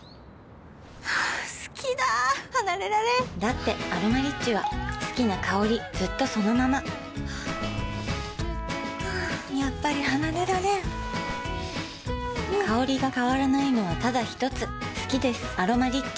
好きだ離れられんだって「アロマリッチ」は好きな香りずっとそのままやっぱり離れられん香りが変わらないのはただひとつ好きです「アロマリッチ」